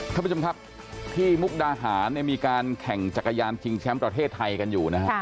ท่านผู้ชมครับที่มุกดาหารเนี่ยมีการแข่งจักรยานชิงแชมป์ประเทศไทยกันอยู่นะฮะ